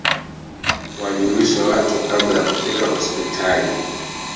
wajulishe watu kabla ya kufika hospitali